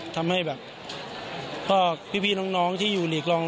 ทำให้พี่น้องที่อยู่หลีกกลองลงไป